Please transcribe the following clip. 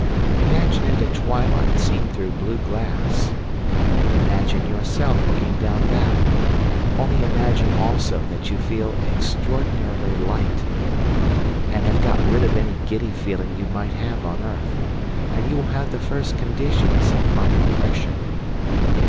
Imagine it at twilight seen through blue glass. Imagine yourself looking down that; only imagine also that you feel extraordinarily light, and have got rid of any giddy feeling you might have on earth, and you will have the first conditions of my impression.